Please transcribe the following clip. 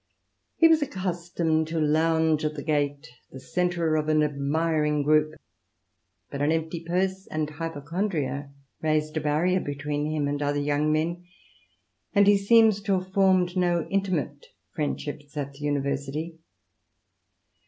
He was accustomed to lounge at the gate, the centre of an admiring group; but an empty purse and hypochondria raised a barrier between him and other young men, and he seems to have formed no intimate friendships at the University.